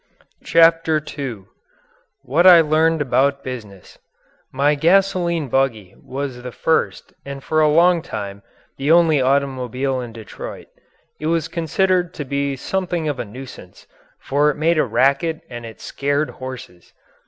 CHAPTER II WHAT I LEARNED ABOUT BUSINESS My "gasoline buggy" was the first and for a long time the only automobile in Detroit. It was considered to be something of a nuisance, for it made a racket and it scared horses.